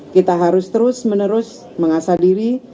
kita harus terus menerus mengasah diri